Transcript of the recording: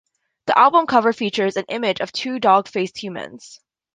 The album cover features an image of two dog-faced humans.